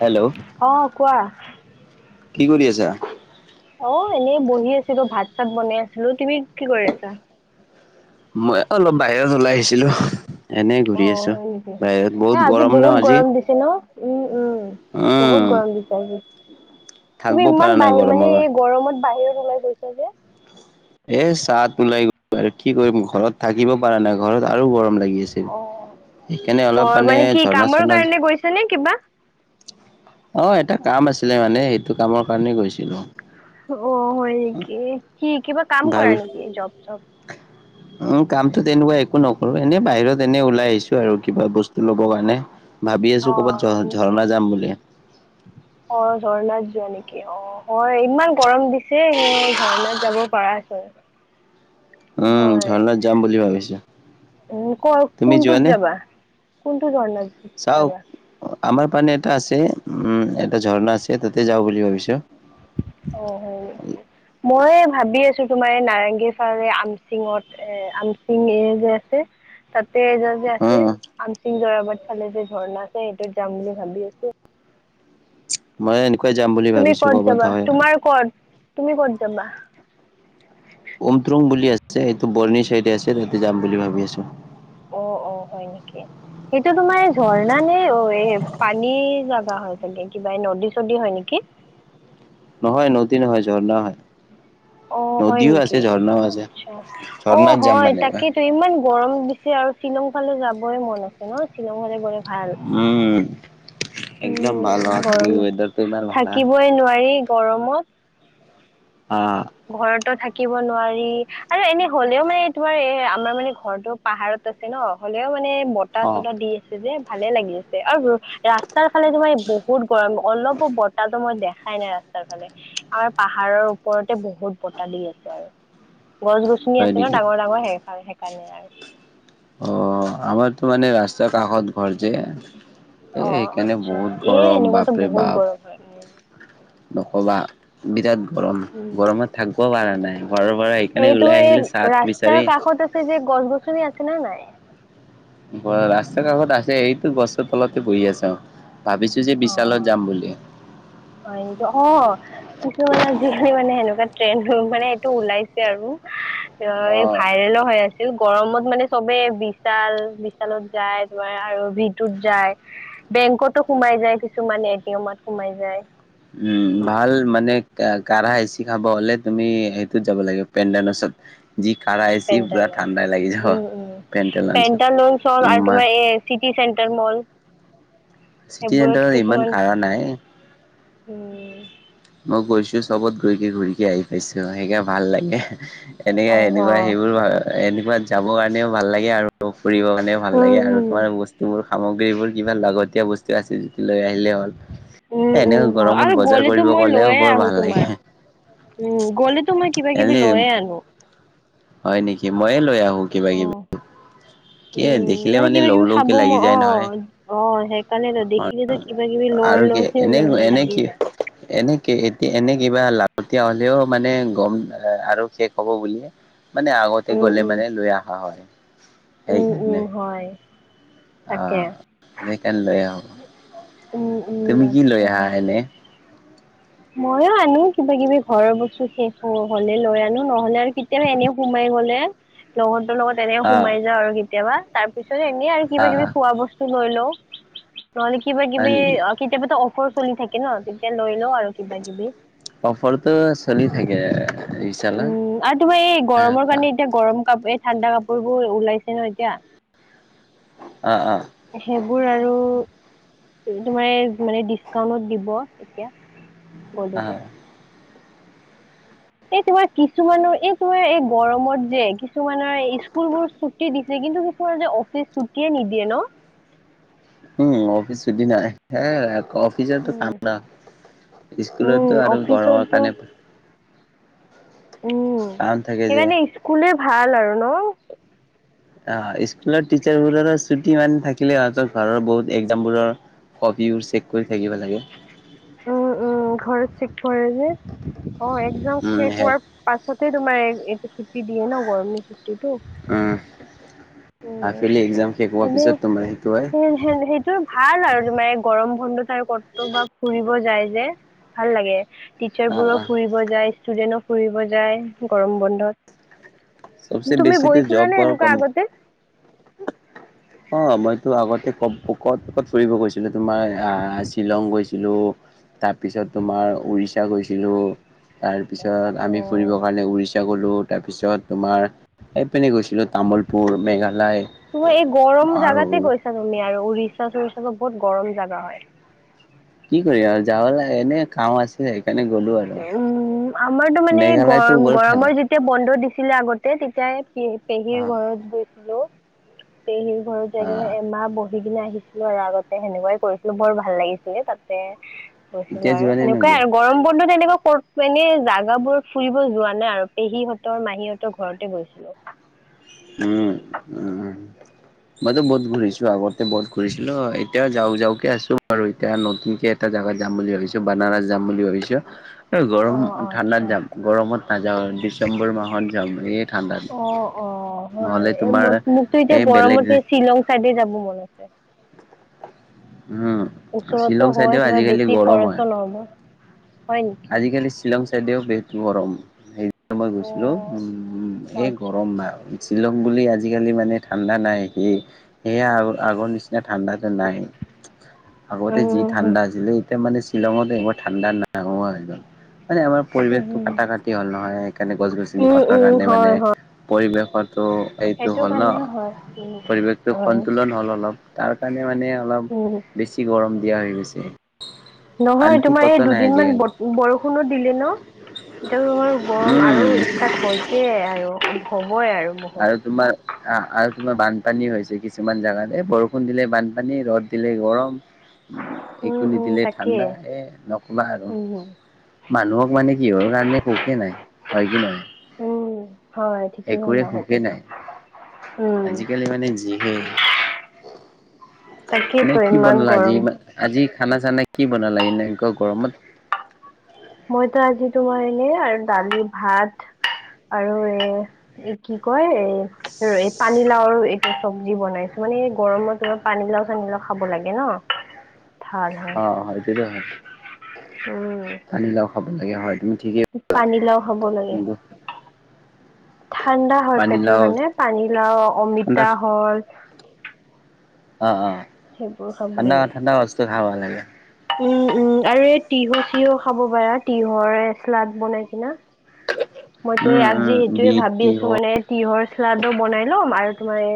Hello অ কোৱা? কি কৰি আছা? অ এনেই বহি সি আছিলোঁ ভাত চাত বনাই আছিলো, তুমি কি কৰি আছা? মই অলপ বাহিৰত ওলাই আহিছিলো। এনে অ ঘূৰি আছো। হয় নেকি? বাহিৰত বহুত আজি গৰম ন বহুত আজি। গৰম দিছে ন উম উম। বহুত উম গৰম দিছে আজি, থাকিব তুমি পৰা ইমান নাই বাঢ়ি মানে গৰমৰ এই গৰমত বাহিৰত ওলাই গৈছা যে? এ চাত ওলাই গৈল আৰু কি কৰিম ঘৰত থাকিব পাৰা নাই? ঘৰত আৰু গৰম লাগি আছিল। অ সেইকাৰণে অ অলপ মানে কি ঝৰ্ণা- কামৰ চৰ্ণা কাৰণে গৈছা নে কিবা? অ এটা কাম আছিলে মানে সেইটো কামৰ কাৰণে গৈছিলো। অ হয় নেকি, কি কিবা কাম কৰা ভাবি নেকি জব চব? উম কামতো তেনেকুৱা একো নকৰো এনেই বাহিৰত এনে ওলাই আহিছো আৰু কিবা বস্তু লব কাৰণে। ভাবি অ আছো ক'ৰবাত ঝ হয় নেকি? -ঝৰ্ণা যাম বুলি। অ ঝৰ্ণাত যোৱা নেকি অ, হয় ইমান গৰম দিছে সেই ঝৰ্ণাত যাব পাৰা। হয়। উম, ঝৰ্ণাত যাম বুলি ভাবিছো। উম, ক তুমি কোনটোত যোৱানে? যাবা? কোনটো ঝৰ্ণাত চাওক যাবা? আমাৰ মানে এটা আছে, উম এটা ঝৰ্ণা আছে তাতে যাওঁ বুলি ভাবিছো। অ হয় নেকি মই ভাবি আছো তোমাৰ এই নাৰেংগীৰ ফাৰে আমচিঙত এ আমচিং যে আছে তাত তে যে আছে উম আমচিং জুৰাবাট ফালে যে ঝৰ্ণা আছে, সেইটোত যাম বুলি ভাবি আছো। মই এনেকুৱাই যাম বুলি তুমি ভাবিছো ক'ত ক'বাত যাবা, হয় আৰু। তোমাৰ ক'ত তুমি ক'ত যাবা? উমট্ৰং বুলি আছে এইটো বৰ্ণি চাইডে আছে তাতে যাম বুলি ভাবি আছো। অ অ হয় নেকি, সেই টো তোমাৰ এই ঝৰ্ণা নে অ এই পানী জাগা হয়? চাগে কিবা নদী চদী হয় নেকি? নহয় নদী নহয়, ঝৰ্ণা হয়। অ হয় নদীও আছে নিকি ঝৰ্ণাও আছে আচ্ছা অ ঝৰ্ণাত যাম হয় মানে মই। তাকেতো ইমান গৰম দিছে আ আৰু শ্বিলং ফালে যাবই মন আছে ন, শ্বিলং ফালে গৈ ভাল। উম একদম উম ভাল অ তুমি গৰমত, ৱেডাৰটো ইমান ভাল হা। থাকিবই নোৱাৰি গৰমত। আহ ঘৰতো থাক থাকিব নোৱাৰি আৰু এনে হলেও মানে তোমাৰ এ আমাৰ মানে ঘৰটো পাহাৰত আছে ন হলেও মানে বতাহ অ -চতাহ দি আছে যে ভালে লাগি আছে আৰু ৰা তাৰ ফালে তোমাৰ বহুত গৰম অলপো বতাহতো মই দেখ খাই নাই ৰাস্তাৰ ফালে, আমাৰ পাহাৰৰ ওপৰতে বহুত বতাহ দি আছে আৰু। গছ -গছনি হয় আছে ন নেকি? ডাঙৰ- ডাঙৰ সেই সেইকাৰণে আৰু। অ, আমাৰতো মানে ৰাস্তা কাষত ঘৰ যে এ অ সেইকাৰণে আচ্ছা বহুত এ গৰম এনেকুৱাতো বাপৰে বহুত বাপ! গৰম হয় নকবা বিৰাট গৰম উম গৰমত থাকিব পাৰা নাই ঘৰৰ পৰা সেইকাৰণে সেইটো ওলাই এই আহিলো ছাঁত ৰাস্তাৰ বিচাৰি কাষত আছে যে গছ গছনি আছে না নাই ৰাস্তা কাষত আছে এইটো গছৰ তলতে বহি আছোঁ অ অ, হয় নেকি অ কিছুমানে আজিকালি মানে সেনেকুৱাত ট্ৰেন্দ মানে এইটো ওলাইছে আৰু অ এ ভাইৰেলো হৈ আছে গৰমত মানে চবে বিশাল বিশালত যায় তোমাৰ আৰু ভি টুত যায় বেংকতো সোমাই যায় কিছুমানে এ টি এমত সোমাই যায় উম ভাল মানে কা কাঢ়া এচি খাব হ'লে তুমি সেইটোত যাব লাগিব পেণ্ডেনাছত পেন্টানন উম উম পেণ্ডেল অঞ্চল পেন্টানচ হ'ল আৰু ইমান তোমাৰ এ চিটি চেন্টাৰ মল চিটি সেইবোৰত চেণ্টাৰত ইমান কিছুমান কাৰা নাই। উম মই গৈছো চবত গৈকে ঘূৰিকে আহি পাইছোঁ সেইকা ভাল লাগে এহ, অ এনেকা হ এনেকুৱা সেইবোৰ এনেকুৱা যাব কাৰণেও ভাল লাগে আৰু ফুৰিব কাৰণে ভাল উম লাগে আৰু উম তোমাৰ বস্তুবোৰ সামগ্ৰী এইবোৰ কিবা লাগতীয়াল বস্তু আছে যদি লৈ আহ হ'ল এ উম এনেও উম হয় গৰমত আৰু বজাৰ গ'লেতো কৰিব মই গ'লেও লৈয়ে বৰ আহো ভাল লাগে তোমাৰ উম গ'লেতো মই কিবা কিবি এনে লৈয়ে আনো হয় নেকি ময়ে লৈ আহো কিবা অ কিবি কি উম দেখিলে মানে কিবা লৌ কিবি খাব লৌকে ম লাগি অ যায় নহয়। অ সেইকাৰণেতো অ দেখিলেতো কিবা কিবি লৰ আৰু কি লৰকে এনে এনে লাগি কি যায় এনেকে এতিয়া এনে কিবা লাগতিয়া হ'লেও মানে গম আৰু শেষ হ'ব বুলিয়ে মানে আগতে উম গ'লে উম মানে লৈ আহা হয় উম উম সেইকাৰণে হয় তাকে আহ সেইকাৰণে লৈ আহো উম উম তুমি কি লৈ আহা এনে ময়ো আনো কিবা কিবি ঘৰৰ বস্তু শেষ হওঁ হ'লে লৈ আনো নহ'লে আৰু কেতিয়াবা এনেও সোমাই গ'লে লগত লগত এনে অ' সোমাই যাওঁ আৰু কেতিয়াবা তাৰ পিছত এনেই আৰু অ' কিবা কিবি খোৱা বস্তু লৈ লওঁ। নহ'লে কিবা হয় কিবি নেকি অ কেতিয়াবা টো অফাৰ চলি থাকে ন তেতিয়া লৈ লওঁ আৰু কিবা কিবি অফাৰটো চলি থাকে। বিশালত উম আৰু তোমাৰ এই গৰমৰ কাৰণে এতিয়া গৰম কাপ এই ঠাণ্ডা কাপোৰবোৰ ওলাইছে ন এতিয়া অ অ সেইবোৰ আৰু তোমাৰ মানে ডিচকাউন্টত দিব এতিয়া। বলে ত অ' এই তোমাৰ কিছুমানৰ এই তোমাৰ এই গৰমত যে কিছুমানৰ স্কুল বোৰ ছুটি দিছে। কিন্তু কিছুমান যে অফিচ ছুটীয়ে নিদিয়ে ন। উম অফিচ ছুটী নাই। সেয়াই অফিচৰটো উম কাম না উম স্কুলতটো আৰু গৰমৰ অফিচতো কাৰণে উম কাম থাকে যে সেইকাৰণে স্কুলে ভাল আৰু ন। অ স্কুলৰ টিচাৰবোৰৰো ছুটি ইমান থাকিলে সিহঁতৰ ঘৰৰ বহুত একজামবোৰৰ কপি বোৰ চেক কৰি থাকিব লাগে। উম উম ঘৰত চেক কৰে যে অ একজাম উম, শেষ হে হোৱাৰ পাছতে তোমাৰ এই এইটো ছুটি দিয়ে ন গৰমিৰ ছুটিটো উম, উম হাফেলি একজাম শেষ হোৱাৰ এনেই পিছত তোমাৰ সেইটো হয় সেইটো ভাল আৰু তোমাৰ এ গৰম বন্ধত আৰু ক'ত বা ফুৰিব যায় যে ভাল লাগে অ', টিচাৰবোৰো অ', ফুৰিব যায় ষ্টুদেনো ফুৰিব যায় গৰম বন্ধত। চবচে তুমি বেছিতো গৈছিলা জব নে বৰ এনেকুৱা কম আগতে অ মইটো আগতে ক ক'ত ক'ত ফুৰিব গৈছ ছিলো তোমাৰ আ শ্বিলং গৈছিলোঁ তাৰপিছত তোমাৰ উৰিষ্যা গৈছিলোঁ। তাৰপিছত অ আমি ফুৰিবৰ কাৰণে উৰিষা গলো। তাৰপিছত তোমাৰ পিনে গৈছিলো তামুলপুৰ, মেঘালয় তুমি এই গৰম জাগাতে আৰু গৈছা তুমি আৰু উৰিষ্যা চুৰিচা বহুত গৰম জাগা হয়। কি কৰি আৰু যাবালা এনেই কাম আছে। উম, আমাৰতো মানে মেঘালয়তো গৰম বৰ গৰমৰ ঠাণ্ডা যেতিয়া বন্ধ দি ছিলে আগতে তেতিয়া প পেহীৰ আহ ঘৰত গৈছিলো। পেহী স ঘৰত যাই কিনে এমাহ ব কিনে আহিছিলো আৰু আগতে। সেনেকুৱাই কৰিছিলো বৰ ভাল লাগিছিলে। তাতে গৈছিলো এতিয়া আৰু যোৱানে সেনেকুৱাই নোযোৱা আৰু গৰম তেনেকুৱা ক'ত মানে জাগা বোৰ ফুৰিব যোৱা নাই আৰু। পেহীহঁতৰ, মাহীহঁতৰ ঘৰতে গৈছিলো। উম, উম। মইতো বহুত ঘূৰিছোঁ আগতে। বহুত ঘূৰিছিলোঁ। এতিয়া যাও যাওকে আছো আৰু এতিয়া নতুনকে এটা জাগাত। যাম বুলি ভাবিছো, বনাৰছ যাম বুলি ভাবিছো। এই অ গৰম অ ঠাণ্ডাত আচ্ছা যাম। গৰমত নাযাওঁ। ডিচেম্বৰ মাহত যাম। এই ঠাণ্ডা দি অ অ হয় এ ম মোকতো এতিয়া গৰমতে শ্বিলং চাইডে যাব মন আছে। উম ওচৰতো শ্বিলং হয় চাইডেও তোমাৰ আজিকালি বেছি গৰম হয় খৰচো নহব। হয় নেকি আজিকালি শ্বিলং চাইডেও বহুত গৰম। মই অ গৈছিলো, উম এই আচ্ছা গৰম মাহ। শ্বিলং বুলি আজিকালি মানে ঠাণ্ডা নাই। সেয়ে সেয়া আ আগৰ নি এয়া ঠাণ্ডাটো নাই, আগতে যি উম ঠাণ্ডা আছিলে। তাৰ মানে শ্বিলঙত এইবাৰ ঠাণ্ডা নাহোৱা হৈ গল। মানে আমাৰ পৰিৱেশটো উম কাটা-কাটি হ'ল নহয়। সেইকাৰণে গছ-গছনি উম কটাৰ উম কাৰণে মানে হয় হয় পৰিৱেশ ত' এইটো সেইটো হ'ল কাৰণে হয় ন উম পৰিৱেশটো উম সন্তুলন হ'ল অলপ। তাৰ কাৰণে মানে অলপ উম, বেছি গৰম দিয়া হৈ গৈছে। নহয় শান্তি তোমাৰ এই ক'তো নাই দুদিন মান আজিকালি ব বৰষুণ বৰষুণো দিলে ন? এতিয়া তোমাৰ গৰম আৰু উম ষ্টাৰ্ট হৈছে আৰু। হ'বই বহুত। আৰু তোমাৰ আৰু তোমাৰ বান্ধ পানী হৈছে কিছুমান জেগাত এই বৰষুণ দিলে বানপানী, ৰ'দ দিলে গৰম। উম, একো উম, নিদিলে তাকে ঠাণ্ডা। এই নক'বা আৰু উম, মানুহক তোক মানে কিহৰ কাৰণে কওকে নাই হয় কি নহয়। উম, হয় ঠিকেই একোৱে ক'লা সুখেই সেইটোতো নাই। উম, আজি-কালি মানে যিহে এনে তাকেইতো কি ইমান বনলা গৰম আজি-আজি? খানা-চানা কি বনালা এনে এনেকুৱা গৰমত? মইতো আজি তোমাৰ এনেই আৰু দালি, ভাত। আৰু এ কি কয় এ পানী। লাওৰ এইটো চব্জি বনাইছো। মানে এই গৰমৰ দিনত পানীলাও চানী লাও খাব লাগে ন? অ হয় সেটোটো হয়, উম, পানিলাও খাব লাগে, হয়। তুমি ঠিকেই পানীলাও খাব লাগে। ঠাণ্ডা হয়, পেটৰ পানীলাও কাৰণে পানী লাও, অমিতা হল অ-অ সেইবোৰ খাব ঠাণ্ডা-ঠাণ্ডা বস্তু খাব লাগে। উম-উম আৰু এই তিহু চিহু খাব পাৰা তিহৰ চালাদ বনাই কিনা। মইতো উম উম আজি সেইটোৱে বিট ভাবি আছো। তিহু মানে তিহৰ চালাডো বনাই ল'ম আৰু তোমাৰ এ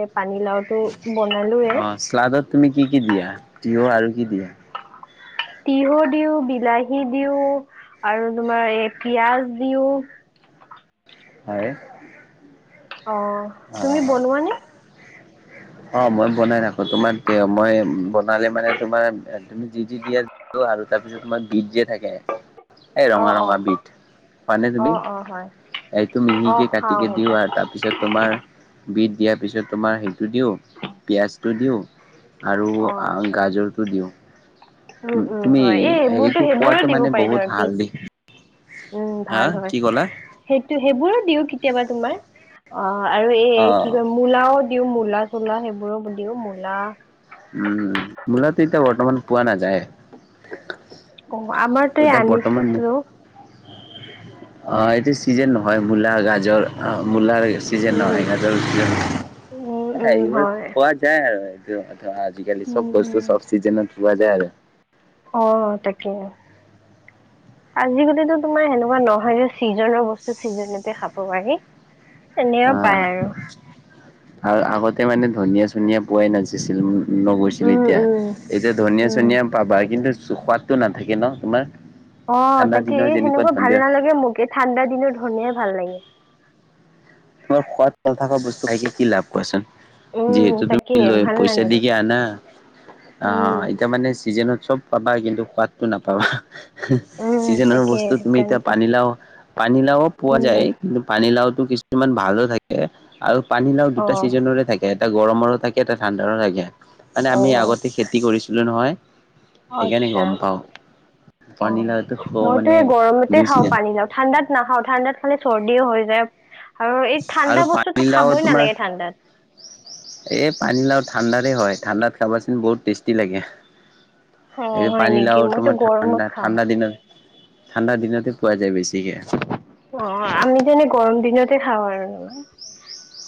অ শ্লাাদত তুমি কি কি দিয়া? তিয়হ আৰু কি দিয়া? তিহু দিওঁ, বিলাহী দিওঁ। আৰু তোমাৰ এ পিয়াজ দিও। হয়। অ তুমি অ', বনোৱানে? অ মই বনাই ৰাখো তোমাৰ মই বনালে মানে তোমাৰ তুমি যি যি দিয়া। আৰু তাৰপিছত তোমাৰ বিট যে থাকে এই অ ৰঙা অ ৰঙা বিট পোৱা নে অ তুমি। অ হয় এইটো অ মিহিকে খাও কাটিকে দিও সেইটো আৰু তাৰপিছত তোমাৰ বিধ দিয়াৰ পিছত তোমাৰ সেইটো দিওঁ পিয়াজটো দিওঁ। আৰু অ আচ্ছা গাজৰটো দিওঁ। উম উম তুমি হয় এই সেইবোৰতো সেইটো সেইবোৰো খোৱাটো দিব মানে পাৰি ত বহুত আৰু হালধি বিধ উম হা, ভাল হয় কি ক'লা? সেইটো সেইবোৰো দিও কেতিয়াবা তোমাৰ অ আৰু এই কি অ', কয় মূলাও দিও মূলা চলা সেইবোৰো দিও মূলা উম মোলতো এতিয়া বৰ্তমান পোৱা নাযায় অ আমাৰ তয়ে এতিয়া বৰ্তমান আনিছিলো অ এইটো চিজন নহয় মূলা গাজৰ মূলাৰ। ন উম উম উম এইবাক হয় খোৱা যায় আৰুয [unintelligible] আজিকালি চব উম বস্তু উম চব চিজনত পোৱা যায় আৰু অ তাকে আজিকালিতো তোমাৰ সেনেকুৱা নহয়গে। চিজনৰ বস্তু ছিজনতে খাব পাৰি। তেনেও অ পায় আৰু আৰু আগতে মানে ধনীয়া চনিয় পোৱাই নাচিছিল ম নগৈছিল উম এতিয়া উম এতিয়া ধনিয়া উম চনিয়া পাবা কিন্তু সোৱাদটো নাথাকে ন তোমাৰ। অ ঠাণ্ডা তাকে দিনৰ এই যেনেকুৱা সেনেকুৱা ভাল ধনিয়া নালাগে মোকে ঠাণ্ডা দিনৰ ধৰণিয় ভাল লাগে। তোমাৰ সোৱাদাল থকা বস্তু খে কি লাভ কচোন। উম যিহেতু তাকে তুমি লৈ ভাল পইচা নালাগে দিকে আনা আহ উম এতিয়া মানে চিজনত। চব পাবা কিন্তু সোৱাদটো নাপাবা উম, চিজনৰ তাকে বস্তু তুমি এতিয়া সেইকাৰণেতো পানী লাও পানীলাওও পোৱা যায় উম, কিন্তু পানীলাওটো কিছুমান ভালো থাকে আৰু পানীলাও দুটা অ', ছিজনেৰে থাকে এটা গৰমৰো থাকে এটা ঠাণ্ডাৰো থাকে। মানে আমি অ', আগতে খেতি কৰিছিলো নহয় সেইকাৰণে আচ্ছা গম পাও অ পানীলাওটো খোৱা মইতো মানে এই গৰমতে দুই খাওঁ চিজন পানী লাও ঠাণ্ডাত নাখাওঁ ঠাণ্ডাত খালে চ দি হৈ যায় আৰু এই ঠাণ্ডা আৰু বস্তু পানীলাও খাবই তোমাৰ নালাগে ঠাণ্ডাত। এই পানীলাও থ। ঠাণ্ডতে হয় ঠাণ্ডাত খাবাচোন বহুত টেষ্টি লাগে। অ', এইটো হয় পানী নেকি লাও মইতো তোমাৰ গৰমত ঠাণ্ডা খাওঁ ঠাণ্ডা দিনত ঠাণ্ডা দিনতে পোৱা যায় বেছিকে অ আমি যেনে গৰম দিনতে খাওঁ আৰু নহয়।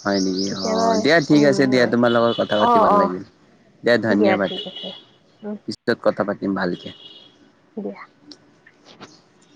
হয় নেকি অ কেতিয়াবা দিয়া ঠিক আছে দিয়া উম, তোমাৰ লগত কথা পাতি অ', ভাল অ', লাগিল। দে দিয়া ধন্যবাদ ঠিক আছে উম, পছত কথা পাতিম ভালকে দিয়া। [inaudible]